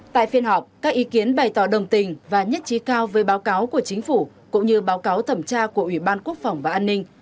tại phiên họp các ý kiến bày tỏ đồng tình và nhất trí cao với báo cáo của chính phủ cũng như báo cáo thẩm tra của ubnd và an ninh